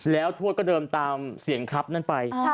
แล้วทวดก็เดินตามเสียงครับนั่นไป